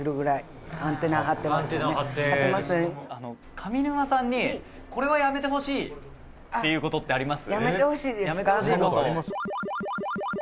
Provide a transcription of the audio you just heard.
上沼さんにこれはやめてほしいっていう事ってあります？